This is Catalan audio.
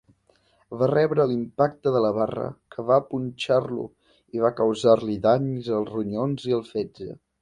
Va rebre l'impacte de la barra, que va punxar-lo i va causar-li danys al ronyó i al fetge.